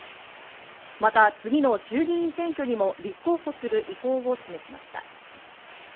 また次の衆議院選挙にも立候補する意向を示しました。